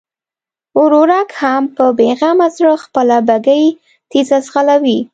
ورورک هم په بېغمه زړه خپله بګۍ تېزه ځغلوي.